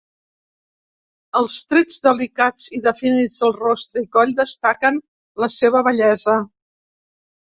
Els trets delicats i definits del rostre i coll destaquen la seva bellesa.